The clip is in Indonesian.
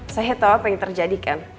saya tau apa yang terjadikan